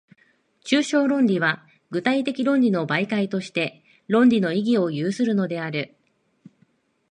抽象論理は具体的論理の媒介として、論理の意義を有するのである。